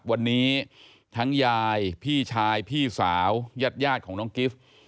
วันนี้ทั้งยายพี่ชายพี่สาวยาดของน้องกิฟต์